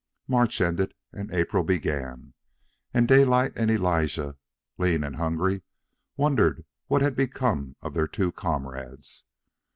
March ended and April began, and Daylight and Elijah, lean and hungry, wondered what had become of their two comrades.